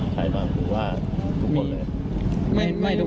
พี่บ้านไม่อยู่ว่าพี่คิดดูด